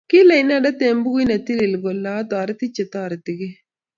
Kile inendet eng bukuit netilil kole atoriti chetoritikei